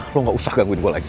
lo gak usah gangguin gue lagi